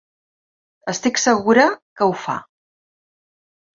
Estic segura que ho fa.